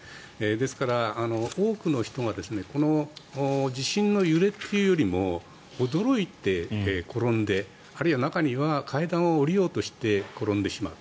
ですから、多くの人がこの地震の揺れというよりも驚いて転んであるいは中には階段を下りようとして転んでしまう。